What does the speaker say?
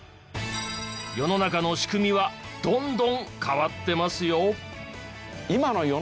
世の中の仕組みはどんどん変わってますよ！